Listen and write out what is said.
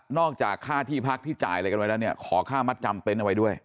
จากค่าที่พักที่จ่ายอะไรกันไว้แล้วเนี่ยขอค่ามัดจำเต็นต์เอาไว้ด้วย